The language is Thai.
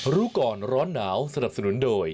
รู้ก่อนร้อนหนาวสนับสนุนโดย